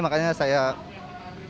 makanya saya juga belum pernah kesini